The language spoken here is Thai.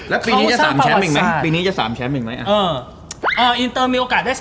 แล้วปีนี้จะ๓แชมป์อีกไหม